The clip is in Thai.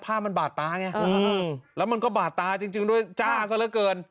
ภาพมันบาดตาไงแล้วมันก็บาดตาจริงด้วยจ้าซะเหลือเกิน